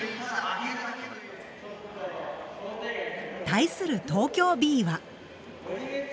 対する東京Ｂは。